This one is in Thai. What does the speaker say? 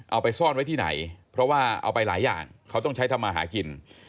เอาไปซ่อนไว้ที่ไหนเพราะว่าเอาไปหลายอย่างเขาต้องใช้ทำมาหากิน